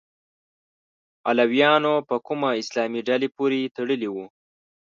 علویانو په کومه اسلامي ډلې پورې تړلي وو؟